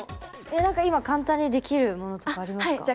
え何か今簡単にできるものとかありますか？